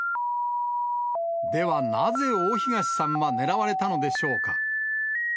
ではなぜ、大東さんは狙われたのでしょうか。